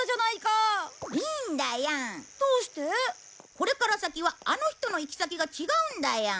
これから先はあの人の行き先が違うんだよ。